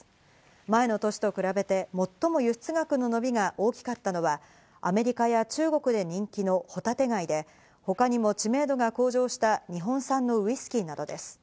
前の年と比べて最も輸出額の伸びが大きかったのは、アメリカや中国で人気のホタテ貝で、他にも知名度が向上した日本産のウイスキーなどです。